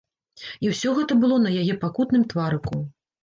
І ўсё гэта было на яе пакутным тварыку.